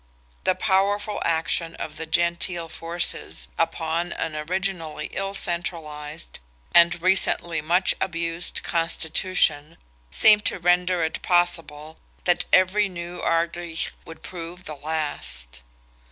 The powerful action of the Gentile forces, upon an originally ill centralized and recently much abused Constitution, seemed to render it possible that every new Ard Righ would prove the last.